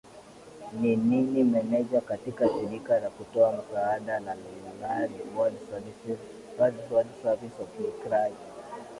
ni ni meneja katika shirika la kutoa msaada la ward service of micrai